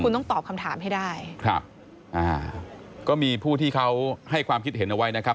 คุณต้องตอบคำถามให้ได้ครับอ่าก็มีผู้ที่เขาให้ความคิดเห็นเอาไว้นะครับ